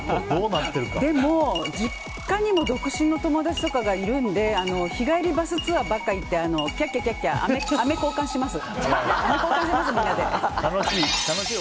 でも、実家にも独身の友達とかがいるので日帰りバスツアーばっか行ってキャキャッ、あめ交換します。